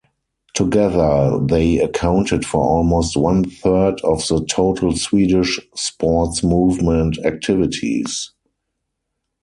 Together, they accounted for almost one third of the total Swedish sports movement activities.